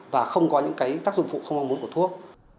và không có những cái tác dụng phụ không mong muốn của thuốc